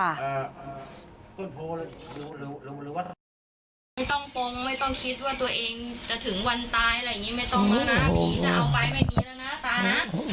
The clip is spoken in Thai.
ไม่ต้องปงไม่ต้องคิดว่าตัวเองจะถึงวันตายอะไรอย่างนี้